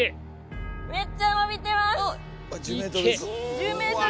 めっちゃ伸びてます。